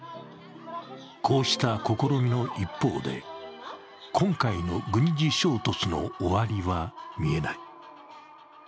こうした試みの一方で、今回の軍事衝突の終わりは見えない。